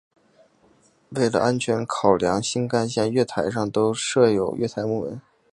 为了安全考量新干线月台上都设有月台幕门。